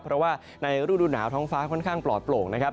เพราะว่าในฤดูหนาวท้องฟ้าค่อนข้างปลอดโปร่งนะครับ